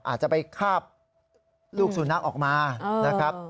อาจจะไปคาบลูกสุนัขออกมานะครับ